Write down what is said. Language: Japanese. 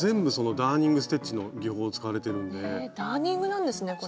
ダーニングなんですねこれ。